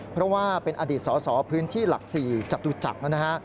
เพราะว่าเป็นอดีตสสพื้นที่หลัก๔จตุจักรนะฮะ